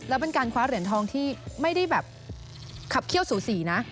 แล้วเป็นการคว้าเหรียญทองที่ไม่ได้แบบขับเขี้ยวสูสีนะ